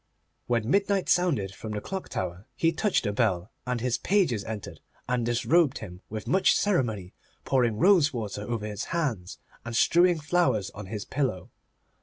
When midnight sounded from the clock tower he touched a bell, and his pages entered and disrobed him with much ceremony, pouring rose water over his hands, and strewing flowers on his pillow.